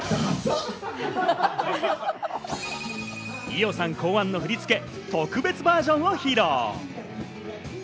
伊代さん考案の振り付け特別バージョンを披露。